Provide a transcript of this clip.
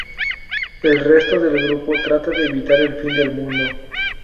El resto del grupo trata de evitar el fin del mundo.